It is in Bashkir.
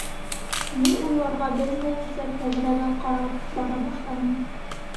Ни уйларға белмәйенсә тәҙрәгә ҡарап бара башланым.